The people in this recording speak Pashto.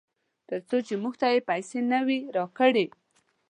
ترڅو چې موږ ته یې پیسې نه وي راکړې.